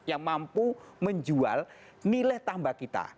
yang mampu menjual nilai tambah kita